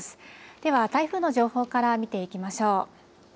では台風の情報から見ていきましょう。